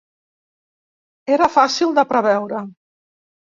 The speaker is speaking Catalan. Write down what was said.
Era fàcil de preveure